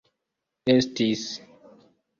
estis